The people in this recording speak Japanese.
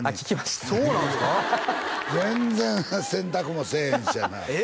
全然洗濯もせえへんしやなえ